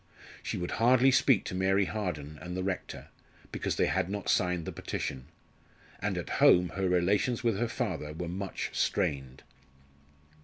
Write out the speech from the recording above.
She would hardly speak to Mary Harden and the rector, because they had not signed the petition, and at home her relations with her father were much strained.